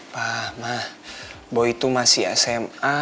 pak ma boy tuh masih sma